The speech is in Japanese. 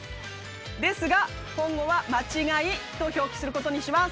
ですが今後は「間違い」と表記することにします。